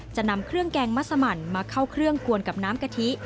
นำเครื่องแกงมัสมันมาเข้าเครื่องกวนกับน้ำกะทิ